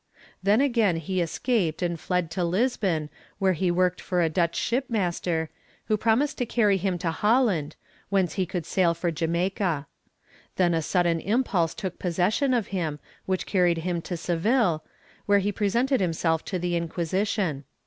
Then again he escaped and fled to Lisbon, where he worked for a Dutch ship master, who promised to carry him to Holland, whence he could sail for Jamaica. Then a sudden impulse took possession of him, which carried him to Seville, where he presented himself to the Inquisition.